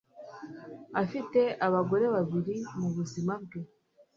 Afite abagore babiri mubuzima bwe